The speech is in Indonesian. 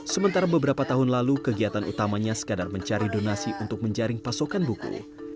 sementara beberapa tahun lalu kegiatan utamanya sekadar mencari donasi untuk menjaring pasokan buku